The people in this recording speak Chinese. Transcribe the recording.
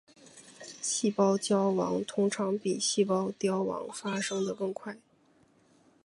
细胞焦亡通常比细胞凋亡发生的更快。